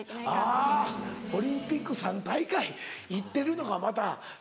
あぁオリンピック３大会行ってるのがまたすごい。